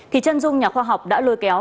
thì chân dung nhà khoa học đã lôi kéo